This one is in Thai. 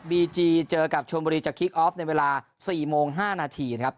บีจีเจอกับชนบุรีจากคิกออฟในเวลา๔โมง๕นาทีนะครับ